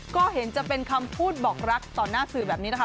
ก็เห็นจะเป็นคำพูดบอกรักต่อหน้าสื่อแบบนี้นะคะ